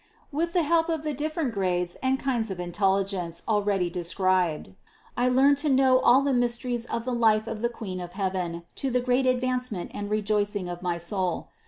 With the help of the different grades and kinds of intelligence already described, I learn to know all the mysteries of the life of the Queen of heaven to the great advancement and re joicing of my spirit.